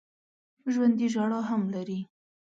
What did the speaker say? ژوندي ژړا هم لري